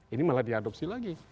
ini malah diadopsi lagi